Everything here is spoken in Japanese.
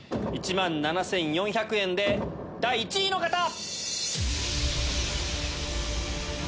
１万７４００円で第１位の方！